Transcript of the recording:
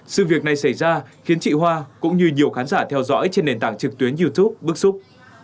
sự việc này xảy ra khiến chị hoa cũng như nhiều khán giả theo dõi trên nền tảng trực tuyến youtube bức xúc